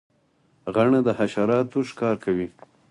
غڼه د حشراتو ښکار کوي